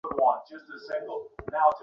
আজ শেষ দিনেও মেলায় রয়েছে বেশ কিছু সেমিনার।